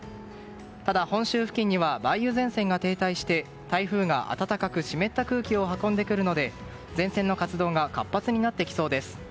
ただ、本州付近には梅雨前線が停滞して台風が暖かく湿った空気を運んでくるので前線の活動が活発になってきそうです。